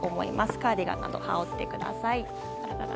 カーディガンなど羽織ってください。